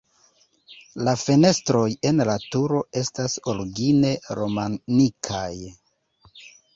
La fenestroj en la turo estas origine romanikaj.